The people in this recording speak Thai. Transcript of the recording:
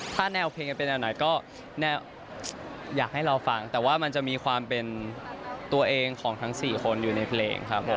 ถ้าแนวเพลงจะเป็นแนวไหนก็แนวอยากให้เราฟังแต่ว่ามันจะมีความเป็นตัวเองของทั้ง๔คนอยู่ในเพลงครับผม